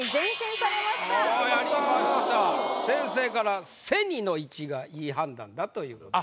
先生から「“背に”の位置が良い判断！」だということで。